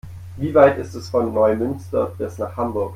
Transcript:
Wie weit ist es von Neumünster bis nach Hamburg?